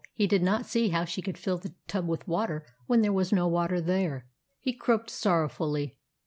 He did not see how she could fill the tub with water when there was no water there. He croaked sorrowfully.